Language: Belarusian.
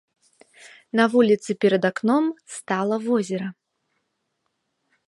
На вуліцы перад акном стала возера.